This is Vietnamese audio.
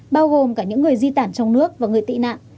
bao gồm cả những người di tản trong nước và người tị nạn